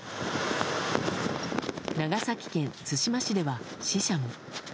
長崎県対馬市では死者も。